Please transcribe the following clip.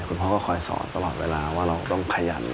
คุณพ่อก็คอยสอนตลอดเวลาว่าเราต้องขยัน